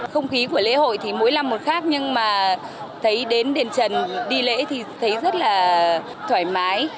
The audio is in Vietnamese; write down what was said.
không khí của lễ hội thì mỗi năm một khác nhưng mà thấy đến đền trần đi lễ thì thấy rất là thoải mái